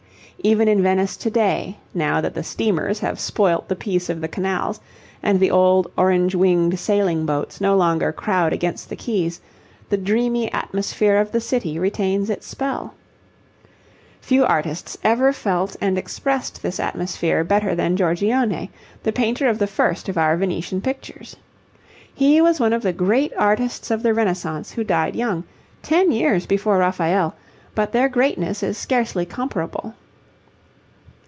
Even in Venice to day, now that the steamers have spoilt the peace of the canals and the old orange winged sailing boats no longer crowd against the quays, the dreamy atmosphere of the city retains its spell. Few artists ever felt and expressed this atmosphere better than Giorgione, the painter of the first of our Venetian pictures. He was one of the great artists of the Renaissance who died young, ten years before Raphael, but their greatness is scarcely comparable.